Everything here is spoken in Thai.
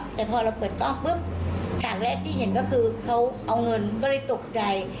แต่พอเราเปิดกล้องปุ๊บฉากแรกที่เห็นก็คือเขาเอาเงินก็เลยตกใจ